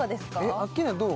アッキーナどう？